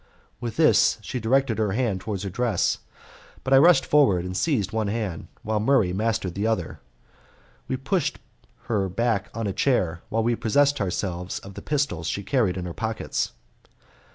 With this she directed her hand towards her dress, but I rushed forward and seized one hand while Murray mastered the other. We pushed her back on a chair while we possessed ourselves of the pistols she carried in her pockets.